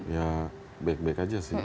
ya baik baik aja sih